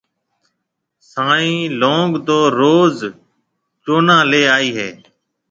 سائين لونگ تو روز چونه لي آئي هيَ۔